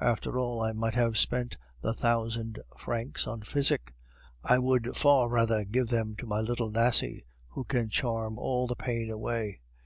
After all, I might have spent the thousand francs on physic; I would far rather give them to my little Nasie, who can charm all the pain away.